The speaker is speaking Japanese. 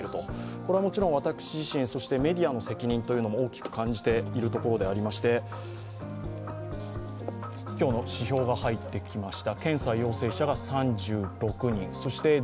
これはもちろん私自身メディアの責任というものも大きく感じているところでありまして今日の指標が入ってきました。